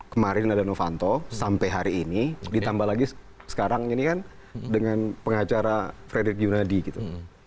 kemarin ada novanto sampai hari ini ditambah lagi sekarang ini kan dengan pengacara frederick yunadi gitu